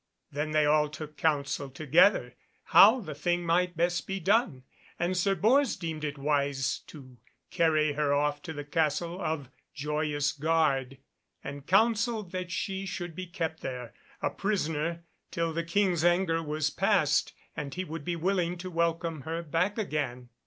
Then they all took counsel together how the thing might best be done, and Sir Bors deemed it wise to carry her off to the Castle of Joyous Gard, and counselled that she should be kept there, a prisoner, till the King's anger was past and he would be willing to welcome her back again.